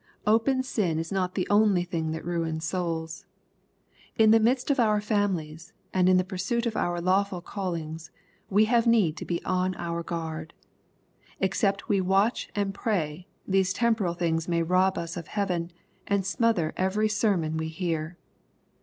Open sin is not the only thing that ruins souls. In the midst of our families, and in the pursuit of our lawful callings, we have need to be on our guard. Except we watch and pray, these temporal things may rob us of heaven, and smother every sermon we hear.